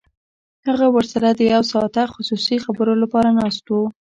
هغه ورسره د یو ساعته خصوصي خبرو لپاره ناست و